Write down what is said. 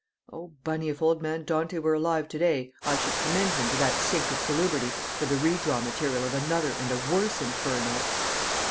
Oh, Bunny, if old man Dante were alive to day I should commend him to that sink of salubrity for the redraw material of another and a worse Inferno!"